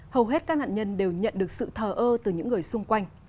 hầu hết các nạn nhân đều nhận được sự thờ ơ từ những người xung quanh